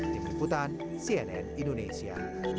tim keputan cnn indonesia